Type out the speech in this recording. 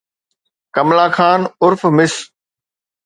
ڪملا خان عرف مس